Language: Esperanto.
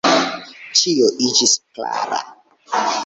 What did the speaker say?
Ĉio iĝis klara.